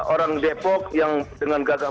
orang depok yang dengan gagal